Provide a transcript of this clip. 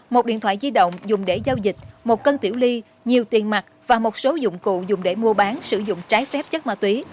một điện thoại di động dùng để giao dịch một cân tiểu ly nhiều tiền mặt và một số dụng cụ dùng để mua bán sử dụng trái phép chất ma túy